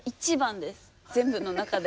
全部の中で。